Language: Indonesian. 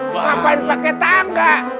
kenapa ini pakai tangga